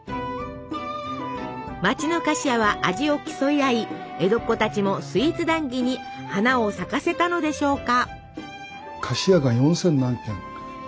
町の菓子屋は味を競い合い江戸っ子たちもスイーツ談義に花を咲かせたのでしょうか。